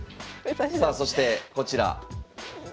さあそしてこちら。